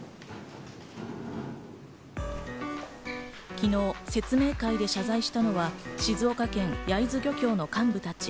昨日、説明会で謝罪したのは静岡県焼津漁協の幹部たち。